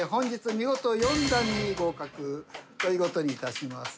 見事４段に合格という事に致します。